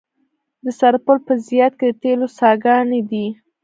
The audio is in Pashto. د سرپل په صیاد کې د تیلو څاګانې دي.